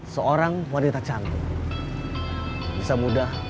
seorang wanita cantik bisa membuat lelaki terpedaya